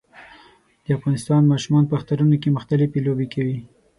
د افغانستان ماشومان په اخترونو کې مختلفي لوبې کوي